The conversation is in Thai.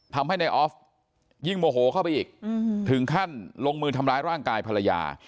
ทำให้นายออฟยิ่งโมโหเข้าไปอีกถึงขั้นลงมือทำร้ายร่างกายภรรยา